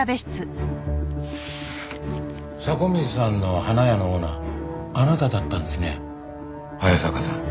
迫水さんの花屋のオーナーあなただったんですね早坂さん。